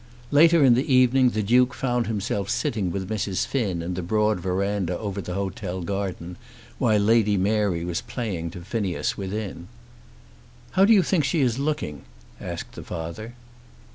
Later in the evening the Duke found himself sitting with Mrs. Finn in the broad verandah over the hotel garden, while Lady Mary was playing to Phineas within. "How do you think she is looking?" asked the father.